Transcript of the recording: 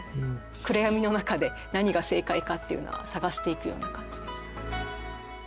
暗闇の中で何が正解かっていうのは探していくような感じでしたね。